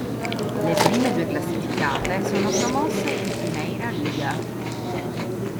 Le prime due classificate sono promosse in Primeira Liga.